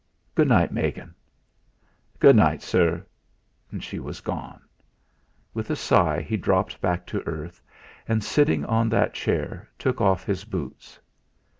"Good night, Megan!" "Good night, sir!" She was gone! With a sigh he dropped back to earth, and sitting on that chair, took off his boots.